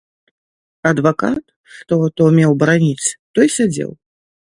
Адвакат, што то меў бараніць, той сядзеў.